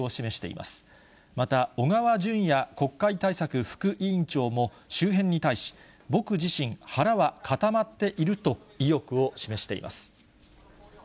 また、小川淳也国会対策副委員長も周辺に対し、僕自身、腹は固まっていると意欲を示しています。